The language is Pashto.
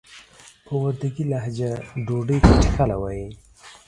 په وردګي لهجه ډوډۍ ته ټکله وايي.